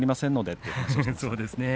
そうですね。